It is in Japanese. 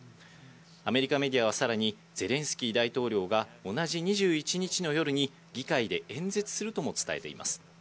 アメリカメディアはさらにゼレンスキー大統領が同じ２１日の夜に議会で演説するとも伝えています。